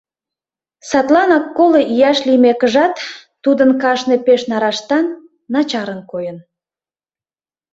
Садланак коло ияш лиймекыжат, тудын кашне пеш нараштан, начарын койын.